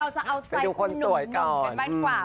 เราจะเอาใจหนุ่มกันบ้างกว่า